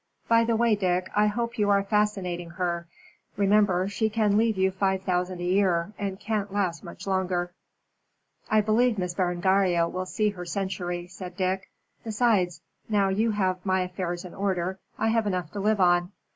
By the way, Dick, I hope you are fascinating her. Remember, she can leave you five thousand a year, and can't last much longer." "I believe Miss Berengaria will see her century," said Dick. "Besides, now you have my affairs in order, I have enough to live on."